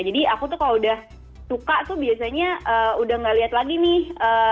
jadi aku tuh kalau udah suka tuh biasanya udah nggak lihat lagi nih